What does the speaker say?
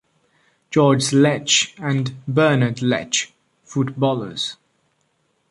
Georges Lech and Bernard Lech, footballers.